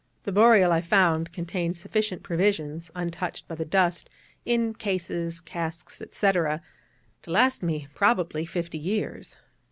The Boreal, I found, contained sufficient provisions, untouched by the dust, in cases, casks, &c., to last me, probably, fifty years.